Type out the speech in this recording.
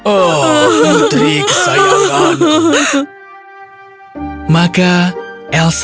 oh putri kesayangan